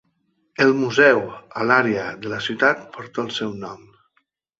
El museu a l'àrea de la ciutat porta el seu nom.